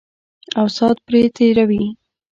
او سات پرې تېروي.